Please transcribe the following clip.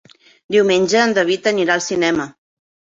Diumenge en David anirà al cinema.